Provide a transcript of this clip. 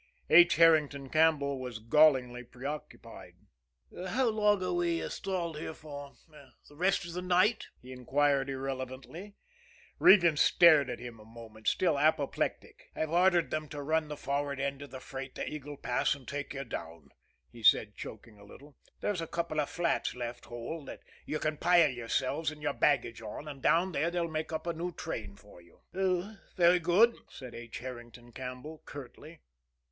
H. Herrington Campbell was gallingly preoccupied. "How long are we stalled here for the rest of the night?" he inquired irrelevantly. Regan stared at him a moment still apoplectic. "I've ordered them to run the forward end of the freight to Eagle Pass, and take you down," he said, choking a little. "There's a couple of flats left whole that you can pile yourselves and your baggage on, and down there they'll make up a new train for you." "Oh, very good," said H. Herrington Campbell curtly.